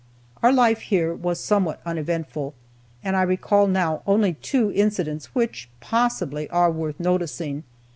Our life here was somewhat uneventful, and I recall now only two incidents which, possibly, are worth noticing.